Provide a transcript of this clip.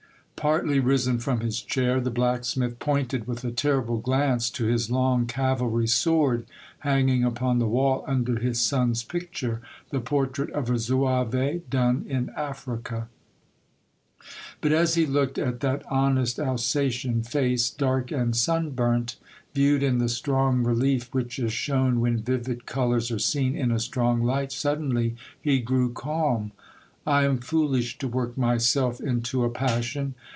Partly risen from his chair, the blacksmith pointed with a terrible glance to his long cavalry sword, hanging upon the wall under his son's pic ture, the portrait of a zouave, done in Africa. A Renegade Zouave. 55 But as he looked at that honest Alsatian face, dark and sunburnt, viewed in the strong relief which is shown when vivid colors are seen in a strong light, suddenly he grew calm. " I am foolish to work myself into a passion